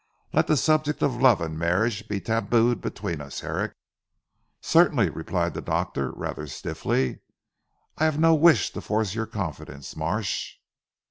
Let the subject of love and marriage be tabooed between us Herrick." "Certainly!" replied the doctor rather stiffly, "I have no wish to force your confidence Marsh."